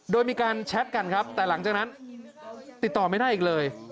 โดยมีการแชทกันครับแต่หลังจากนั้นติดต่อไม่ได้อีกเลย